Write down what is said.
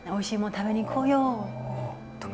食べに行こうよとか。